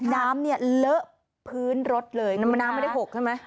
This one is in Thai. น้ำเนี่ยเลอะพื้นรถเลยน้ำมันน้ำไม่ได้หกใช่ไหม